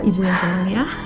ibu yang tenang ya